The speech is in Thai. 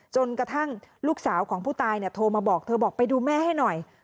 จนกระทั่งลูกสาวของผู้ตายโทรมาบอกเธอบอกไปดูแม่ให้หน่อย